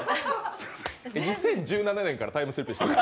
２０１７年からタイムスリップしてる？